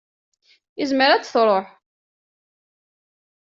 Izmer ad d-tṛuḥ.